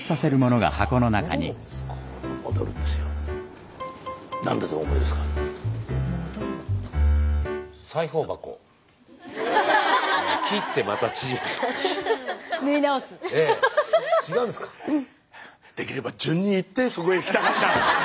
できれば順にいってそこへいきたかった。